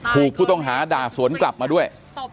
ถูกผู้ต้องหาด่าสวนกลับมาด้วย